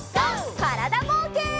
からだぼうけん。